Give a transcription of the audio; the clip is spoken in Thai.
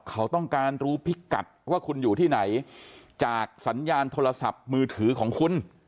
เขาต้องการรู้พิกัดว่าคุณอยู่ที่ไหนจากสัญญาณโทรศัพท์มือถือของคุณ